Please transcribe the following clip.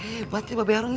hebat nih bapak harun ya